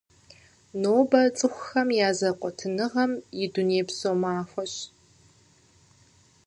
Нобэ цӀыхухэм я зэкъуэтыныгъэм и дунейпсо махуэщ.